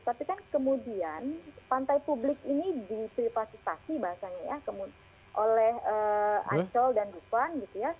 tapi kan kemudian pantai publik ini diprivatisasi oleh ancol dan dupuan